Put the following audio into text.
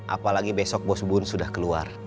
apalagi besok bos bun sudah keluar